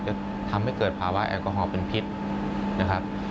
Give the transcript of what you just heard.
จะทำให้เกิดภาวะแอลกอฮอลเป็นพิษนะครับ